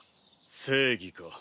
正義か。